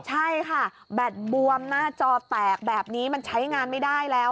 ใช่ค่ะแบตบวมหน้าจอแตกแบบนี้มันใช้งานไม่ได้แล้ว